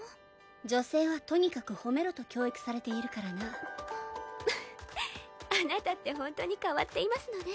女性はとにかく褒めろと教育されているからなあなたってホントに変わっていますのね